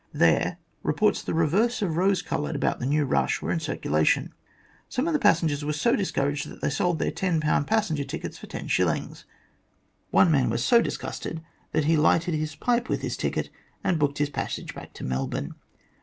There reports the reverse of rose coloured about the "new rush" were in circulation. Some of the passengers were so discouraged that they sold their 10 passenger tickets for 10s. One man was so disgusted that he lighted his pipe with his ticket and booked his passage back to Melbourne.